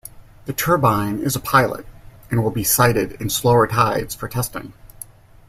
The turbine is a pilot, and will be sited in slower tides for testing.